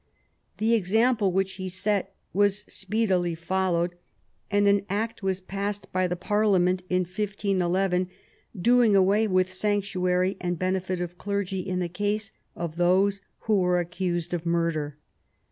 The example which he set was speedily followed, and an Act was passed by iL/ the l^arliament of 1511, doing away with sanctuary and^ benefit of clergy in the case of those who were accused of murder.